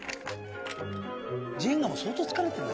ジェンガも相当疲れてる。